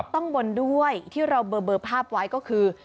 ต้องบนด้วยที่เราเบอร์ภาพไว้ก็คือ